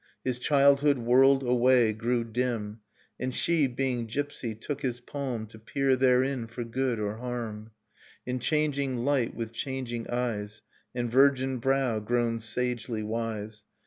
His childhood whirled away, grew dim ... And she, being gypsy, took his palm To peer therein for good or harm. In changing light, with changing eyes, And virgin brow grown sagely wise.